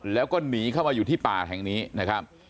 แล้วก็หนีเข้ามาอยู่ที่ป่าแห่งนี้นะครับ